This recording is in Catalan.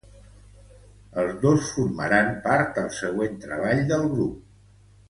Els dos formaran part al següent treball del grup.